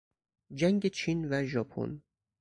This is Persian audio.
جنگ چین و ژاپن